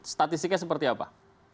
statistiknya seperti apa